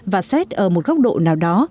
và xét ở một góc độ nào đó